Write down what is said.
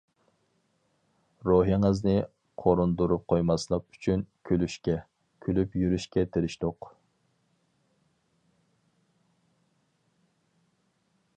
روھىڭىزنى قورۇندۇرۇپ قويماسلىق ئۈچۈن كۈلۈشكە، كۈلۈپ يۈرۈشكە تىرىشتۇق.